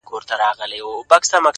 ستا څخه ډېر تـنگ!!